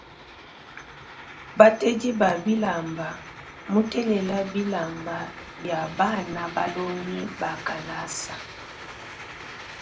Batedi ba bilamba mutelela bilamba bi bana balongiba kalasa.